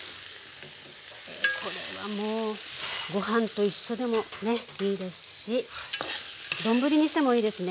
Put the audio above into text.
これはもうご飯と一緒でもねいいですし丼にしてもいいですね。